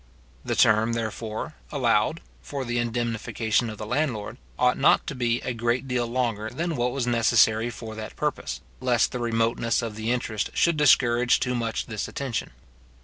The term, therefore, allowed, for the indemnification of the landlord, ought not to be a great deal longer than what was necessary for that purpose, lest the remoteness of the interest should discourage too much this attention.